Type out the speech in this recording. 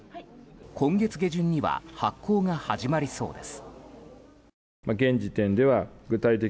今月下旬には発行が始まりそうです。